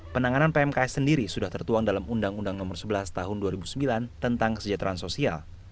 penanganan pmks sendiri sudah tertuang dalam undang undang nomor sebelas tahun dua ribu sembilan tentang kesejahteraan sosial